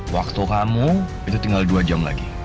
waktu kamu itu tinggal dua jam lagi